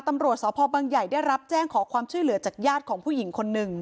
ตำรวจสพบังใหญ่ได้รับแจ้งขอความช่วยเหลือจากญาติของผู้หญิงคนหนึ่ง